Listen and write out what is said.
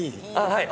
はい。